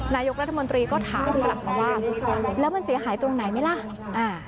นายกรัฐมนตรีก็ถามกลับมาว่าแล้วมันเสียหายตรงไหนไหมล่ะอ่า